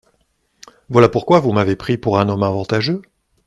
Voilà pourquoi vous m’avez pris pour un homme avantageux.